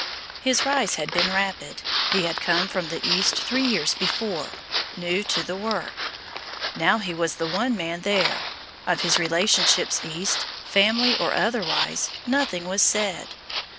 His rise had been rapid. He had come from the east three years before, new to the work. Now, he was the one man there. Of his relationships east, family or otherwise, nothing was said.